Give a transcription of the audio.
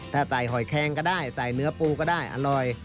ถ้าใส่หอยแคงก็ได้ใส่เนื้อปูก็ได้อร่อย